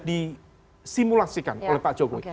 disimulasikan oleh pak jokowi